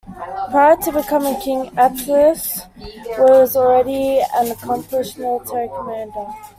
Prior to becoming king, Attalus was already an accomplished military commander.